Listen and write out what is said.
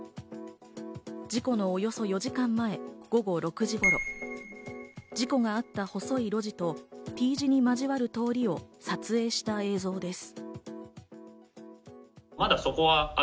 事故のおよそ４時間前、午後６時頃、事故があった細い路地とＴ字に交わる通りを撮影した映像です。